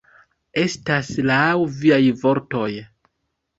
Estas laŭ viaj vortoj.